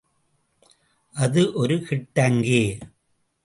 அது ஒரு கிட்டங்கி.